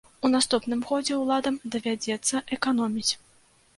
У наступным годзе уладам давядзецца эканоміць.